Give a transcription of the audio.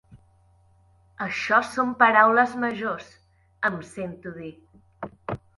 Això són paraules majors —em sento dir.